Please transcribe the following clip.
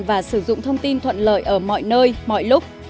và sử dụng thông tin thuận lợi ở mọi nơi mọi lúc